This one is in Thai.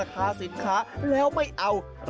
ขายแบบนี้หรอ